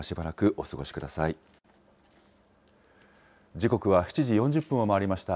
時刻は７時４０分を回りました。